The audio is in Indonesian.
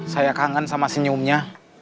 saya kangen sama senyumnya